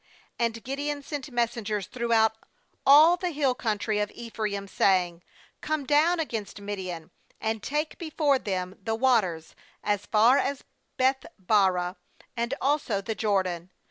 ^And Gideon sent messengers throughout all the hill country of Ephraim, saying: 'Come down against Midian, and take be fore them the waters, as far as Beth barah, and also the Jordan.'